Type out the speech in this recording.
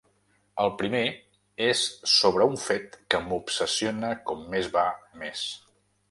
El primer és sobre un fet que m’obsessiona com més va més.